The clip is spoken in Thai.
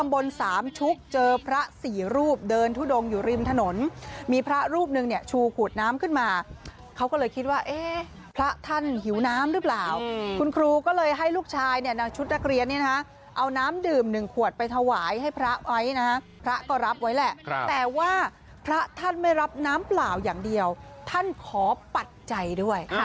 เดินทุดงอยู่ริมถนนมีพระรูปหนึ่งเนี่ยชูขวดน้ำขึ้นมาเขาก็เลยคิดว่าเอ๊ะพระท่านหิวน้ำหรือเปล่าคุณครูก็เลยให้ลูกชายเนี่ยนางชุดนักเรียนเนี่ยนะเอาน้ำดื่ม๑ขวดไปถวายให้พระไว้นะฮะพระก็รับไว้แหละแต่ว่าพระท่านไม่รับน้ำเปล่าอย่างเดียวท่านขอปัจจัยด้วย